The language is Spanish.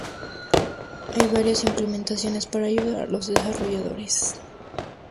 Hay varias implementaciones para ayudar a los desarrolladores.